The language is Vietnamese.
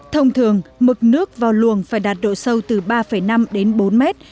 thông thường mực nước vào luồng phải đạt độ sâu từ ba năm đến bốn mét